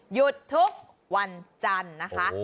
หยุดทุกวันจันทร์นะคะ